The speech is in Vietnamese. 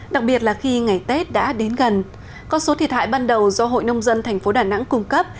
đặc biệt là khi ngày tết đã đến gần con số thiệt hại ban đầu do hội nông dân thành phố đà nẵng cung cấp